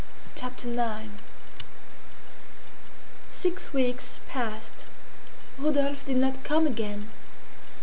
Chapter Nine Six weeks passed. Rodolphe did not come again.